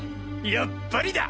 やっぱりだ！